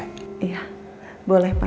iya boleh pak